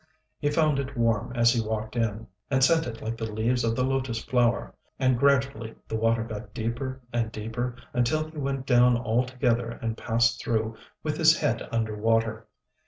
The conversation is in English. He found it warm as he walked in, and scented like the leaves of the lotus flower; and gradually the water got deeper and deeper, until he went down altogether and passed through with his head under water.